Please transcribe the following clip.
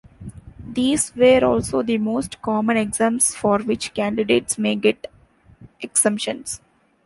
These were also the most common exams for which candidates may get exemptions.